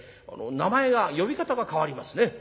名前が呼び方が変わりますね。